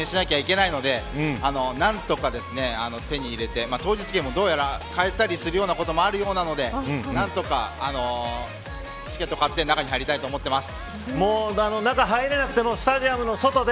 ただ、谷原さんの分も応援しないといけないので何とか手に入れて当日券もどうやら買えたりすることもあるようなので何とかチケットを買って中に入りたいと思っています。